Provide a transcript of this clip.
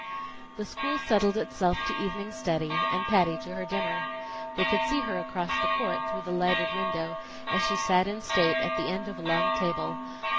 The school settled itself to evening study, and Patty to her dinner. They could see her across the court, through the lighted window, as she sat in state at the end of a long table.